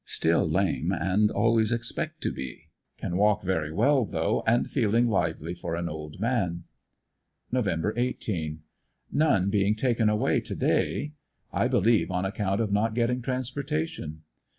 Still lame, and always expect to be; can walk very well though, and feeling lively for an old man. Nov. 18 .— None being taken away to day, I believe on account of not getting transportation.